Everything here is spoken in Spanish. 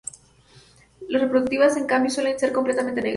Las reproductivas en cambio suelen ser completamente negras.